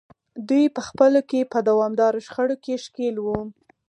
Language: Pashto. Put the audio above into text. دوی په خپلو کې په دوامداره شخړو کې ښکېل وو.